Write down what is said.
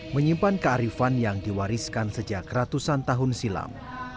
menyimpan kearifan yang diwariskan sejak ratusan tahun silam